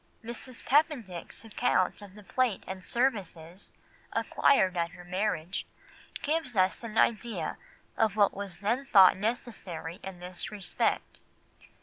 Mrs. Papendick's account of the plate and services acquired at her marriage gives us an idea of what was then thought necessary in this respect.